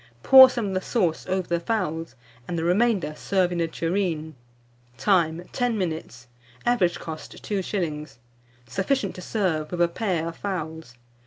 Pour some of the sauce over the fowls, and the remainder serve in a tureen. Time. 10 minutes. Average cost, 2s. Sufficient to serve with a pair of fowls.